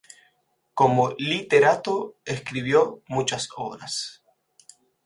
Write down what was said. Como literato, escribió muchas obras.